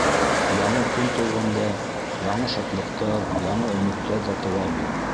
Яңы көн тыуғанда, яңы шатлыҡтар, яңы өмөттәр ҙә тыуа бит.